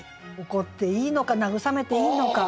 怒っていいのか慰めていいのか。